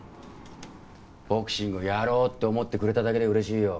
ボクシングやろうって思ってくれただけで嬉しいよ。